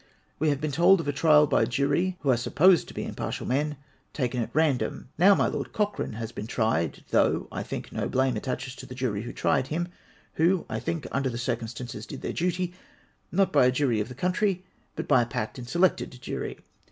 We have been told of a trial by jury, who are supposed to be impartial men, taken at random ; now my Lord Cochrane has been tried — tho'' I think no blame attaches to the jury who tried him, who, I think, under the circumstances did their duty — not by a jury of the country, but by a joacked and selected jury.